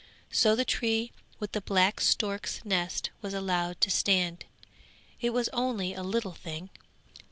So the tree with the black stork's nest was allowed to stand. It was only a little thing.